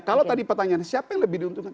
kalau tadi pertanyaan siapa yang lebih diuntungkan